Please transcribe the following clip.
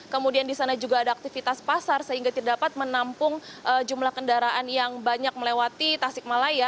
kemudian di sana juga ada aktivitas pasar sehingga tidak dapat menampung jumlah kendaraan yang banyak melewati tasik malaya